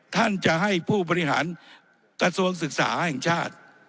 ท่านจะให้ผู้บริหารกระทรวงศึกษาแห่งชาติ